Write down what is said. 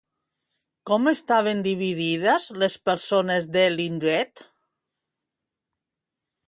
Com estaven dividides les persones de l'indret?